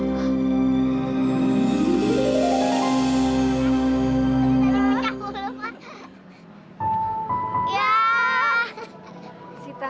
tak akan pernah lagi bertemu sita